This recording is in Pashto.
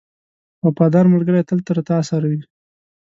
• وفادار ملګری تل تا سره وي.